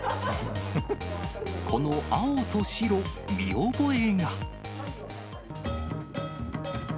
この青と白、見覚えが。